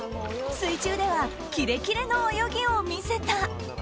水中ではキレキレの泳ぎを見せた。